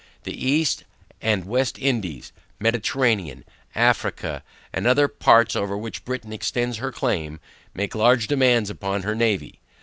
The East, and West Indies, Mediterranean, Africa, and other parts over which Britain extends her claim, make large demands upon her navy.